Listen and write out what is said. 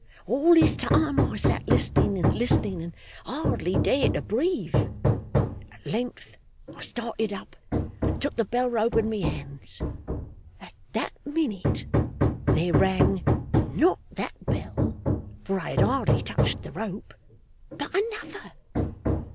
All this time I sat listening and listening, and hardly dared to breathe. At length I started up and took the bell rope in my hands. At that minute there rang not that bell, for I had hardly touched the rope but another!